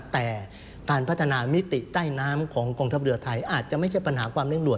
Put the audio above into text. แต่การพัฒนามิติใต้น้ำของกองทัพเรือไทยอาจจะไม่ใช่ปัญหาความเร่งด่ว